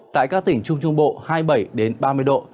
tại các tỉnh trung trung bộ hai mươi bảy ba mươi độ